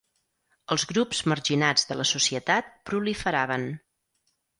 Els grups marginats de la societat proliferaven.